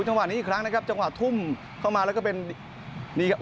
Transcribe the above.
จังหวะนี้อีกครั้งนะครับจังหวะทุ่มเข้ามาแล้วก็เป็นนี่ครับ